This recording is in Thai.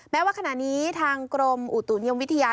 แม้ว่าขณะนี้ทางกรมอุตุนิยมวิทยา